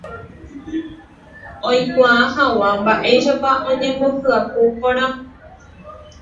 oikuaa hag̃ua mba'éichapa oñembohyapu porã.